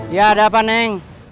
ya ada apa neng